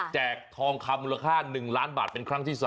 ทองคำมูลค่า๑ล้านบาทเป็นครั้งที่๓